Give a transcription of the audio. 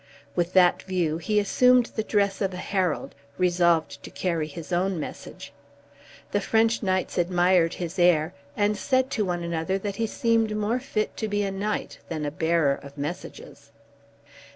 With that view he assumed the dress of a herald, resolved to carry his own message. The French knights admired his air, and said to one another that he seemed more fit to be a knight than a bearer of messages.